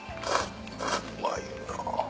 うまいな。